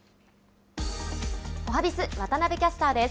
おはＢｉｚ、渡部キャスターです。